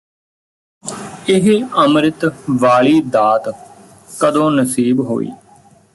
ਇਹ ਅੰਮ੍ਰਿਤ ਵਾਲੀ ਦਾਤ ਕਦੋਂ ਨਸੀਬ ਹੋਈ